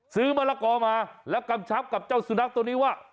มะละกอมาแล้วกำชับกับเจ้าสุนัขตัวนี้ว่า